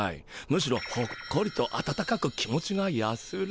むしろほっこりとあたたかく気持ちが安らぐ。